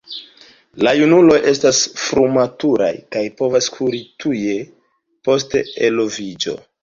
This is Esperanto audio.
La junuloj estas frumaturaj kaj povas kuri tuj post eloviĝo.